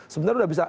sebenarnya udah bisa